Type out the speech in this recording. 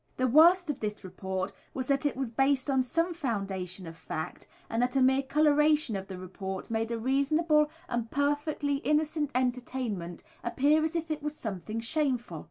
The worst of this report was that it was based on some foundation of fact, and that a mere colouration of the report made a reasonable and perfectly innocent entertainment appear as if it was something shameful.